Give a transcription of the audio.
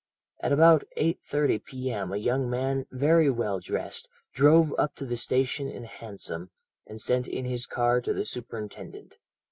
At about 8.30 p.m. a young man, very well dressed, drove up to the station in a hansom, and sent in his card to the superintendent.